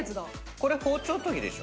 これ包丁研ぎでしょ？